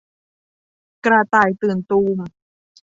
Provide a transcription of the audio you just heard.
กระต่ายตื่นตูม